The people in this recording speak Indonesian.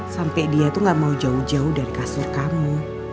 sampai dia itu gak mau jauh jauh dari kasur kamu